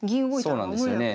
そうなんですよね。